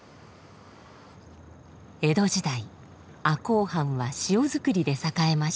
江戸時代赤穂藩は塩作りで栄えました。